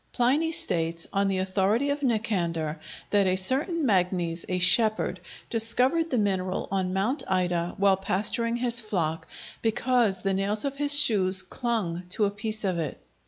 Pliny states, on the authority of Nicander, that a certain Magnes, a shepherd, discovered the mineral on Mount Ida, while pasturing his flock, because the nails of his shoes clung to a piece of it.